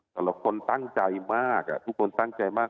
แต่ละคนตั้งใจมากทุกคนตั้งใจมาก